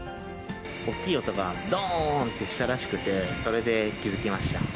おっきい音がどーんとしたらしくて、それで気付きました。